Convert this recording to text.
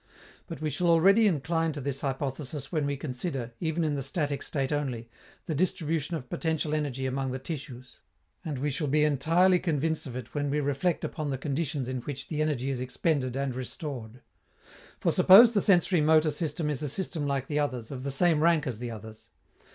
But we shall already incline to this hypothesis when we consider, even in the static state only, the distribution of potential energy among the tissues; and we shall be entirely convinced of it when we reflect upon the conditions in which the energy is expended and restored. For suppose the sensori motor system is a system like the others, of the same rank as the others.